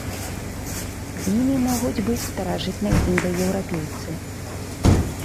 Імі могуць быць старажытныя індаеўрапейцы.